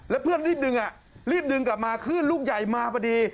แล้วเพื่อนรีบดึงรีบดึงกลับมาขึ้นลูกใหญ่มาพอดี